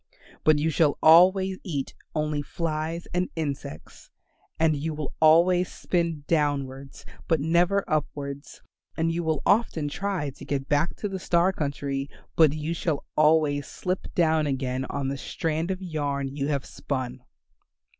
But you shall always eat only flies and insects. And you will always spin downwards but never upwards, and you will often try to get back to the star country, but you shall always slip down again on the strand of yarn you have spun."